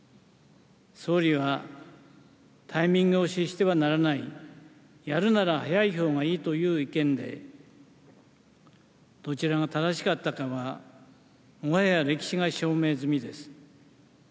総理はタイミングを失してはならない、やるなら早いほうがいいという意見で、どちらが正しかったかは、もはや歴史が証明済みです。